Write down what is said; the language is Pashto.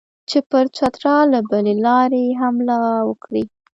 چې پر چترال له بلې لارې حمله وکړي.